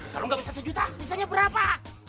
kalau gak bisa sejuta bisanya berapa